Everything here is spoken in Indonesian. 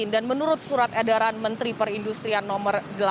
dan menurut surat edaran menteri perindustrian nomor delapan